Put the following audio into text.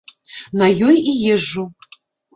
На ёй і езджу.